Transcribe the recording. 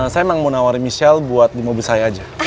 saya mau nawari michelle buat di mobil saya aja